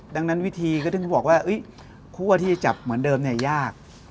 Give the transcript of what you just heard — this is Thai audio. ดังนั้นวิธีก็พูดว่าคั่วที่จะจับเหมือนเดิมยาก